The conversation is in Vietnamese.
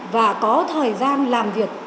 và có thời gian làm việc